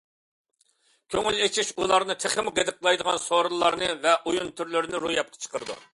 كۆڭۈل ئېچىش ئۇلارنى تېخىمۇ غىدىقلايدىغان سورۇنلارنى ۋە ئويۇن تۈرلىرىنى روياپقا چىقىرىدۇ.